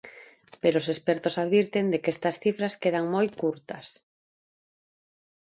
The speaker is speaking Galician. Pero os expertos advirten de que estas cifras quedan moi curtas.